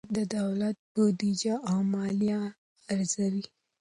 اقتصاد د دولت بودیجه او مالیه ارزوي.